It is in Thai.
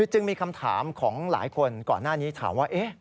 จึงมีคำถามของหลายคนก่อนหน้านี้ถามว่า